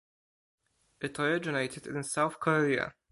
It originated in South Korea.